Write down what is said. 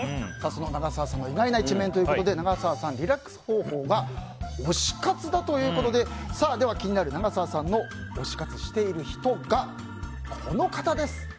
その長澤さんの意外な一面ということで長澤さんのリラックス方法が推し活だということででは気になる長澤さんの推し活している人が、この方です。